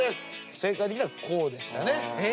正解的にはこうでしたね。